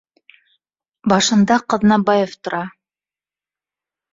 Башында Ҡаҙнабаев тора